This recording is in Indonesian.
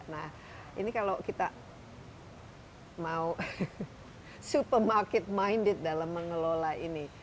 nah ini kalau kita mau supermarket minded dalam mengelola ini